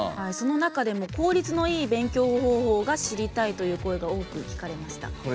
中でも「効率の良い勉強方法が知りたい」という声が多く聞かれました。